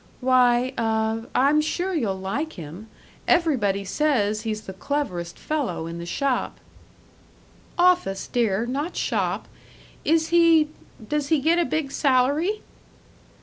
"Why, uh I'm sure you'll like him. Everybody says he's the cleverest fellow in the shop." "Office, dear, not shop.... Is he Does he get a big salary?"